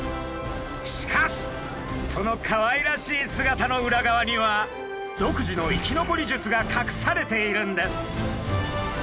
しかしそのかわいらしい姿の裏側には独自の生き残り術がかくされているんです！